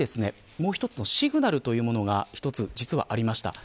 もう一つのシグナルというものが１つ実はありました。